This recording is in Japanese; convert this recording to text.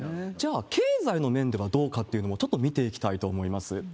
じゃあ、経済の面ではどうかというのも、ちょっと見ていきたいと思います。